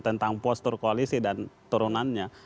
tentang postur koalisi dan turunannya